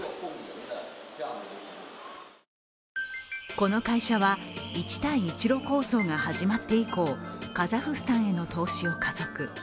この会社は、一帯一路構想が始まって以降、カザフスタンへの投資を加速。